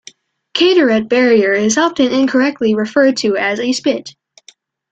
Kaitorete Barrier is often incorrectly referred to as a spit.